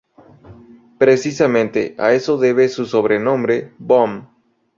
Precisamente a eso debe su sobrenombre, Boom.